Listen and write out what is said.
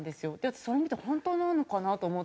私それ見て本当なのかな？と思って。